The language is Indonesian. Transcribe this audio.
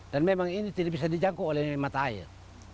dan memang ini tidak bisa dijangkau oleh mat air